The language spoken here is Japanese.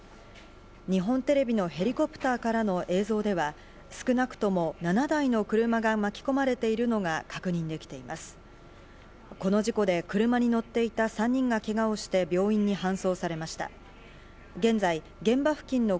日本テレビのヘリコプターからの映像では、少なくとも７台の車が巻き込まれているのが確認できています。